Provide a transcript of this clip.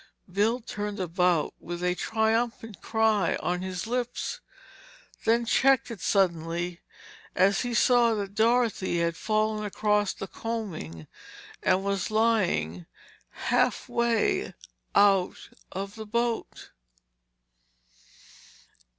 Bill turned about with a triumphant cry on his lips, then checked it suddenly as he saw that Dorothy had fallen across the coaming and was lying halfway out of the boat.